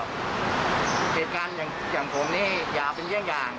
เกตการณ์อย่างอย่างผมนี้อย่าเป็นอย่างอย่าง